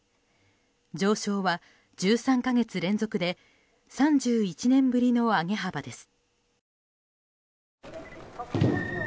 上昇は１３か月連続で３１年ぶりの上げ幅です。